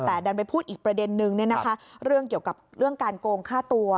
แต่ดันไปพูดอีกประเด็นนึงเรื่องเกี่ยวกับเรื่องการโกงฆ่าตัว